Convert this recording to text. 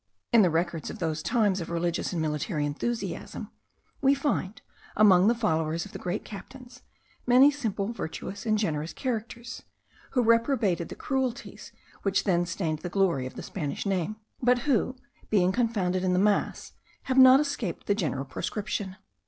In the records of those times of religious and military enthusiasm, we find, among the followers of the great captains, many simple, virtuous, and generous characters, who reprobated the cruelties which then stained the glory of the Spanish name, but who, being confounded in the mass, have not escaped the general proscription.